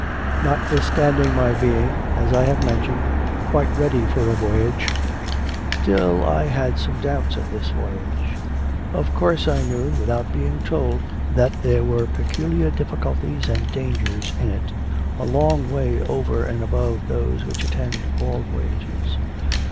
Notwithstanding my being, as I have mentioned, quite ready for a voyage, still I had some doubts of this voyage. Of course I knew, without being told, that there were peculiar difficulties and dangers in it, a long way over and above those which attend all voyages.